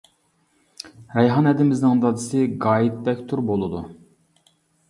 رەيھان ھەدىمىزنىڭ دادىسى گايىت بەكتۇر بولىدۇ.